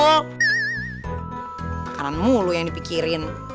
makanan mulu yang dipikirin